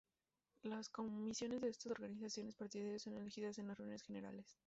Las comisiones de estas organizaciones partidarias son elegidas en las reuniones generales.